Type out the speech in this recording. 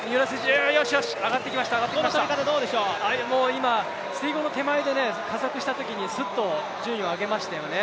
今、水濠の手前で加速したとき、スッと順位を上げましたね。